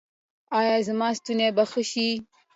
ایا زما ستونی به ښه شي؟